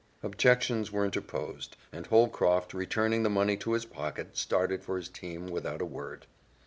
Objections were interposed, and Holcroft, returning the money to his pocket, started for his team, without a word.